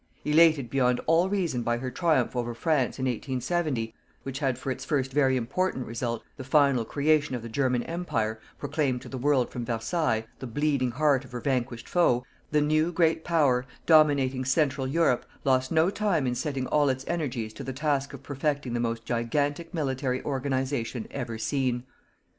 Elated beyond all reason by her triumph over France, in 1870, which had for its first very important result the final creation of the German Empire, proclaimed to the world from Versailles, the bleeding heart of her vanquished foe, the new great Power, dominating Central Europe, lost no time in setting all its energies to the task of perfecting the most gigantic military organization ever seen.